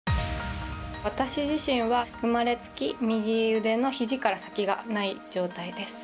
わたし自身は生まれつき右腕のひじから先がない状態です。